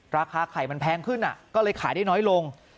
ราคาไข่มันแพงขึ้นก็เลยขายได้น้อยลง